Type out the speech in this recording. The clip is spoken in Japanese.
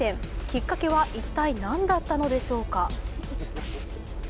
きっかけは一体何だったのでしょうか。